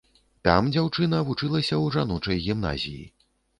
Там дзяўчына вучылася ў жаночай гімназіі.